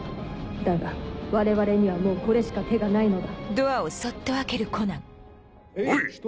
だが我々にはもうこれしか手がないのだ。